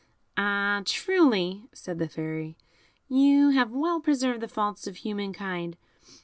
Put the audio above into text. "Ah! truly," said the Fairy, "you have well preserved the faults of human kind.